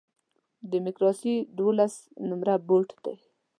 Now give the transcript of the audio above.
ډیموکراسي دولس نمره بوټ دی.